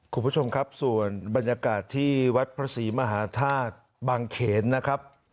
คุณผู้ชมครับส่วนบรรยากาศที่วัดพระศรีมหาธาตุบางเขนนะครับ